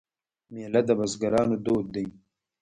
میله د بزګرانو دود دی.